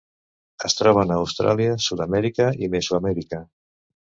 Es troben a Austràlia, Sud-amèrica i Mesoamèrica.